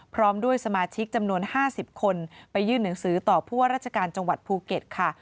พร้อมด้วยสมาชิกจำนวน๕๐คนไปยื่นหนังสือต่อผู้ว่าราชการจังหวัดภูเก็ตค่ะ